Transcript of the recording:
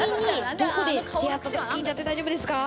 どこで出会ったとか聞いちゃって大丈夫ですか？